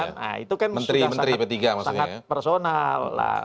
nah itu kan sudah sangat personal